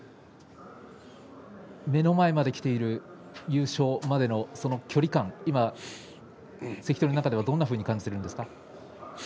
目の前まできている優勝までのその、距離感関取の中でどんなふうに感じているんですか。